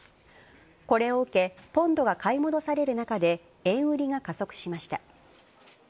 これを受け、ポンドが買い戻される中で、円売りが加速しました。